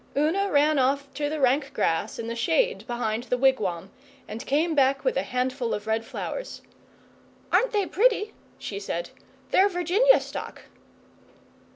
Una ran off to the rank grass in the shade behind the wigwam, and came back with a handful of red flowers. 'Aren't they pretty?' she said. 'They're Virginia stock.